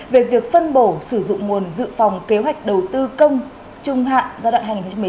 về việc phân bổ sử dụng nguồn dự phòng kế hoạch đầu tư công trung hạn giai đoạn hai nghìn một mươi sáu hai nghìn hai mươi